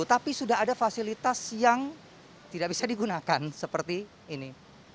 tapi sudah ada fasilitas yang tidak bisa digunakan seperti ini